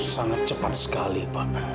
sangat cepat sekali pak